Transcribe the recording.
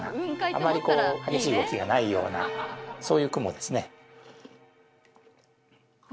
あまりこう激しい動きがないようなそういう雲ですね。